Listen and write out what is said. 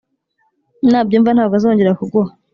nabyumva ntabwo azongera kuguha